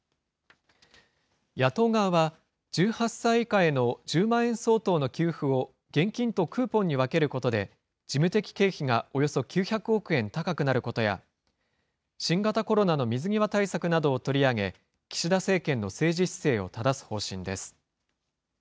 野党側は、１８歳以下への１０万円相当の給付を現金とクーポンに分けることで、事務的経費がおよそ９００億円高くなることや、新型コロナの水際対策などを取り上げ、岸田政権の政治姿勢をただす方針です。